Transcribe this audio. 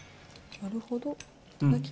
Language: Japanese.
なるほど。